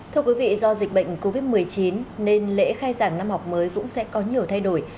thưa quý vị do dịch bệnh covid một mươi chín nên lễ khai giảng năm học mới cũng sẽ có nhiều thay đổi